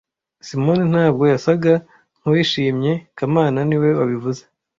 Simoni ntabwo yasaga nkuwishimye kamana niwe wabivuze